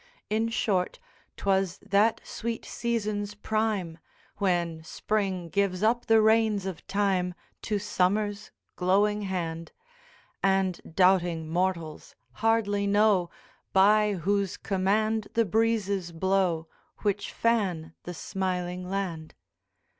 In short, 'twas that sweet season's prime When Spring gives up the reins of time To Summer's glowing hand, And doubting mortals hardly know By whose command the breezes blow Which fan the smiling land.